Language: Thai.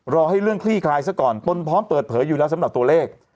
รอให้เรื่องคลี่คลายซะก่อนตนพร้อมเปิดเผยอยู่แล้วสำหรับตัวเลข